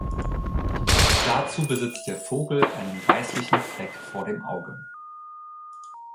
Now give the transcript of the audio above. Dazu besitzt der Vogel einen weißlichen Fleck vor dem Auge.